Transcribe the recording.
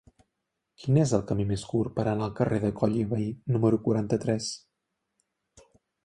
Quin és el camí més curt per anar al carrer de Coll i Vehí número quaranta-tres?